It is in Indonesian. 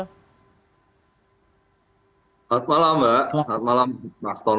selamat malam mbak selamat malam mas toto